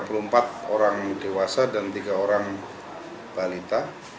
dua puluh empat orang dewasa dan tiga orang balita